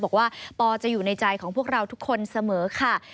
บอกว่าปอจะอยู่ในใจของพวกเราทุกคนเสมอค่ะ